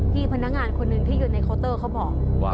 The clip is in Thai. พี่พนักงานคนหนึ่งในเข้าบอกกวะ